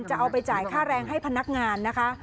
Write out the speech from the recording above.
จะเอาไปจ่ายค่าแรงให้พนักงานนะคะ